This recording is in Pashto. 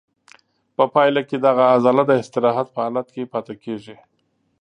په پایله کې دغه عضله د استراحت په حالت کې پاتې کېږي.